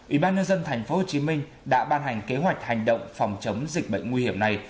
ủy ban nhân dân tp hcm đã ban hành kế hoạch hành động phòng chống dịch bệnh nguy hiểm này